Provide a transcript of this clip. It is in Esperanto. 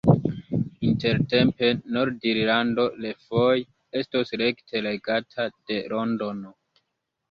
Intertempe Nord-Irlando refoje estos rekte regata de Londono.